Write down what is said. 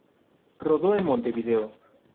Rodó en Montevideo.